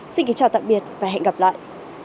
xin kính chào tạm biệt và hẹn gặp lại